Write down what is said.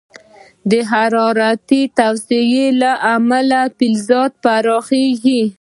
د حرارتي توسعې له امله فلزات پراخېږي.